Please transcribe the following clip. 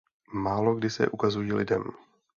Málokdy se ukazují lidem.